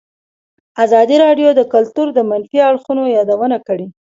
ازادي راډیو د کلتور د منفي اړخونو یادونه کړې.